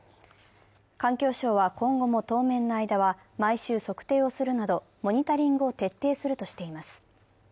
環境省は今後も当面の間は毎週測定をするなどモニタリングを徹底するとしています。